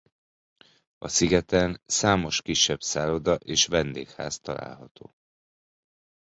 A szigeten számos kisebb szálloda és vendégház található.